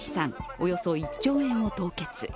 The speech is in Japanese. およそ１兆円を凍結。